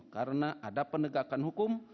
karena ada penegakan hukum